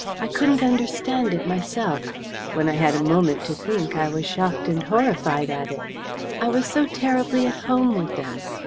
I couldn't understand it myself when I had a moment to think, I was shocked and horrified at it. I was so terribly at home with them.